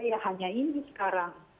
ya hanya ini sekarang